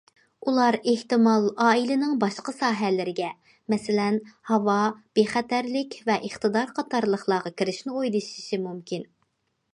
ئۇلار ئېھتىمال ئائىلىنىڭ باشقا ساھەلىرىگە، مەسىلەن ھاۋا، بىخەتەرلىك ۋە ئىقتىدار قاتارلىقلارغا كىرىشنى ئويلىشىشى مۇمكىن.